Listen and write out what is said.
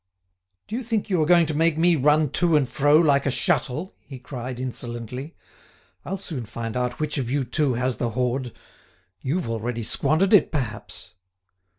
"Do you think you are going to make me run to and fro like a shuttle?" he cried, insolently. "I'll soon find out which of you two has the hoard. You've already squandered it, perhaps?"